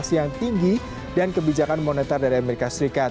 inflasi yang tinggi dan kebijakan moneter dari as